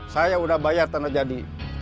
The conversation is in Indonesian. saya udah bayar tanah jadi